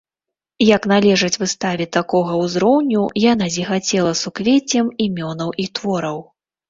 Як належыць выставе такога ўзроўню, яна зіхацела суквеццем імёнаў і твораў.